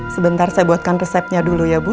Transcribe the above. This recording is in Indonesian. sebentar saya buatkan resepnya dulu ya bu